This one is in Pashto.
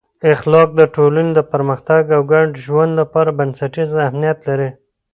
اخلاق د ټولنې د پرمختګ او ګډ ژوند لپاره بنسټیز اهمیت لري.